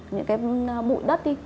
những cái bụi đất đi